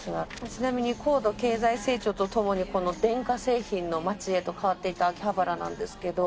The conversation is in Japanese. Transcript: ちなみに高度経済成長と共にこの電化製品の街へと変わっていった秋葉原なんですけど。